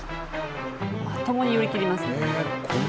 まともに寄り切りますね。